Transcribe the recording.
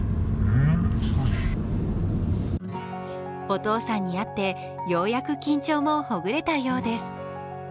お父さんに会ってようやく緊張もほぐれたようです。